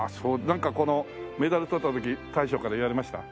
なんかこのメダル取った時大将から言われました？